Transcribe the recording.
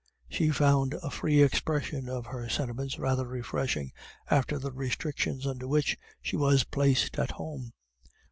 She found a free expression of her sentiments rather refreshing after the restrictions under which she was placed at home.